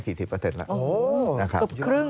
โอ้โฮกลับครึ่งนะครับ